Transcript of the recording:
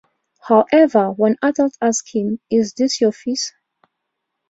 However, when adults asked him, "Is this your "fis"?